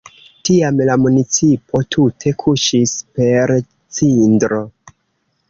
Tiam la municipo tute kuŝis per cindro.